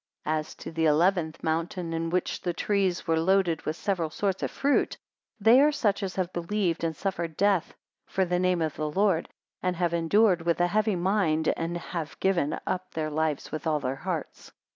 233 As to the eleventh mountain in which were trees loaded with several sorts of fruit; they are such as have believed, and suffered death, for the name of the Lord; and have endured with a heavy mind, and have given up their lives with all their hearts.